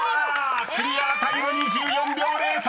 ［クリアタイム２４秒０３！］